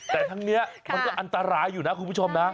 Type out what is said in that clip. แต่ทั้งนี้มันก็อันตรายอยู่นะคุณผู้ชมนะ